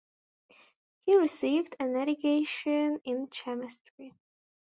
He received an education in chemistry.